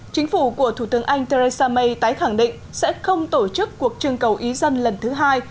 chính phủ của thủ tướng anh theresa may tái khẳng định sẽ không tổ chức cuộc trưng cầu ý dân lần thứ hai